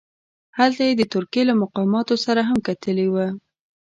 هلته یې د ترکیې له مقاماتو سره هم کتلي وه.